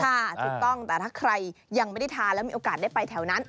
ถูกต้องแต่ถ้าใครยังไม่ได้ทานแล้วมีโอกาสได้ไปแถวนั้น